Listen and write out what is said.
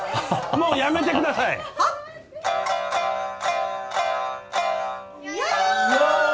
もうやめてくださいはっよ！よ！